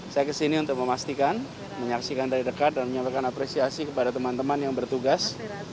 saya kesini untuk memastikan menyaksikan dari dekat dan menyampaikan apresiasi kepada teman teman yang bertugas